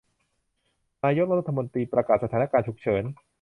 นายกรัฐมนตรีประกาศสถานการณ์ฉุกเฉิน